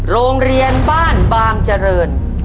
โรงเรียนบ้านบางเจริญ